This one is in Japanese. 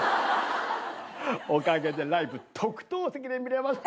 おかげでライブ特等席で見れました。